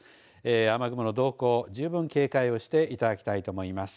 雨雲の動向、十分警戒をしていただきたいと思います。